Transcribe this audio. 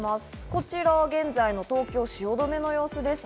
こちら現在の東京・汐留の様子です。